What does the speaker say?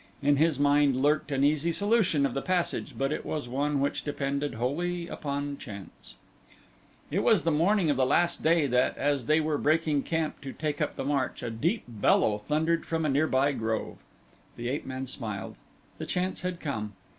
In his mind lurked an easy solution of the passage but it was one which depended wholly upon chance. It was the morning of the last day that, as they were breaking camp to take up the march, a deep bellow thundered from a nearby grove. The ape man smiled. The chance had come.